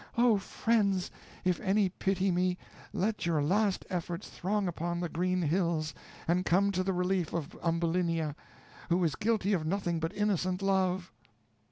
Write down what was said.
Oh, friends! if any pity me, let your last efforts throng upon the green hills, and come to the relief of Ambulinia, who is guilty of nothing but innocent love."